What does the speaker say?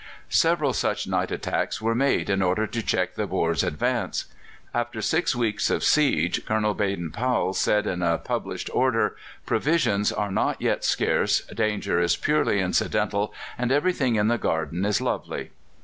Several such night attacks were made in order to check the Boers' advance. After six weeks of siege, Colonel Baden Powell said in a published order: "Provisions are not yet scarce, danger is purely incidental, and everything in the garden is lovely."